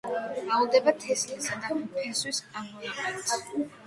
მრავლდება თესლისა და ფესვის ამონაყრით.